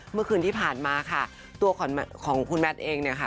เมื่อคืนที่ผ่านมาค่ะตัวของคุณแมทเองเนี่ยค่ะ